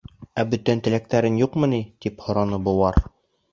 — Ә бүтән теләктәрең юҡмы ни? — тип һораны быуар.